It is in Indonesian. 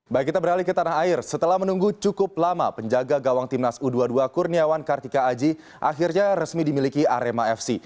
baik kita beralih ke tanah air setelah menunggu cukup lama penjaga gawang timnas u dua puluh dua kurniawan kartika aji akhirnya resmi dimiliki arema fc